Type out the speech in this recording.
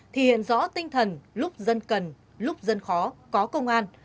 thì hiện rõ tinh thần lúc dân cần lúc dân khó có công an